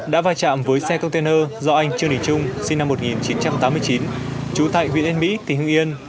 đã vai trạm với xe container do anh trương đình trung sinh năm một nghìn chín trăm tám mươi chín trú tại huyện yên mỹ tỉnh hương yên